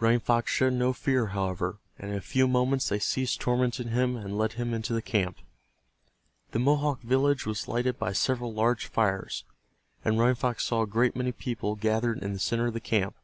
Running Fox showed no fear, however, and in a few moments they ceased tormenting him and led him into the camp. The Mohawk village was lighted by several large fires, and Running Fox saw a great many people gathered in the center of the camp.